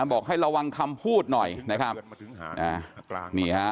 บอกให้ระวังคำพูดหน่อยนะครับนี่ฮะ